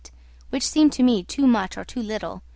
which seemed to me too much or too little.